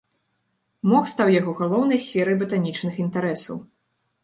Мох стаў яго галоўнай сферай батанічных інтарэсаў.